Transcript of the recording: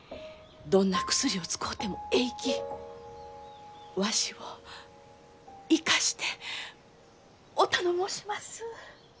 どんな薬を使うてもえいきわしを生かしてお頼申します！